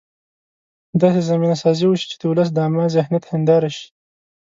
داسې زمینه سازي وشي چې د ولس د عامه ذهنیت هنداره شي.